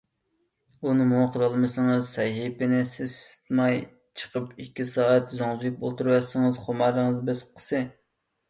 ئۇنىمۇ قىلالمىسىڭىز سەھىپىنى سېسىتماي چىقىپ ئىككى سائەت زوڭزىيىپ ئولتۇرۇۋەتسىڭىز خۇمارىڭىز بېسىققۇسى.